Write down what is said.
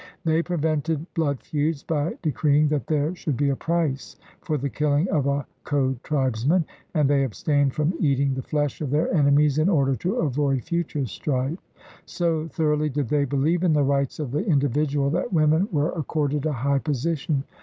They prevented blood feuds by decreeing that there should be a price for the killing of a co tribesman, and they abstained from eating the flesh of their enemies in order to avoid future strife. So thoroughly did they believe in the rights of the individual that women were accorded a high posi tion.